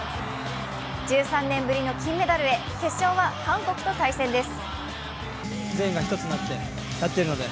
１３年ぶりの金メダルへ決勝は韓国と対戦です。